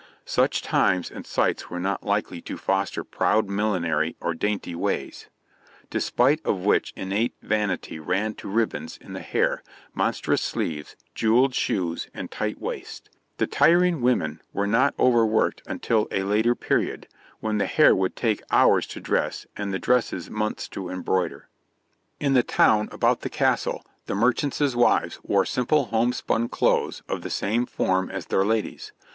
Such times and sights were not likely to foster proud millinery or dainty ways, despite of which innate vanity ran to ribbands in the hair, monstrous sleeves, jewelled shoes, and tight waists. The tiring women were not overworked until a later period, when the hair would take hours to dress, and the dresses months to embroider. In the town about the castle the merchants' wives wore simple homespun clothes of the same form as their ladies.